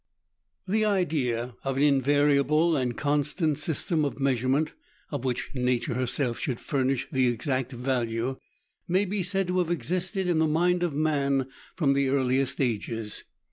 The idea of an invariable and constant system of mea surement, of which nature herself should furnish the exact value, may be said to have existed in the mind of man from the earliest ages.